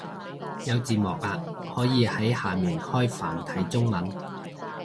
有字幕啊，可以喺下面開繁體中文